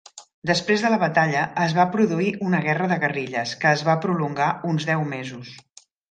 Després de la batalla es va produir una guerra de guerrilles, que es va prolongar uns deu mesos.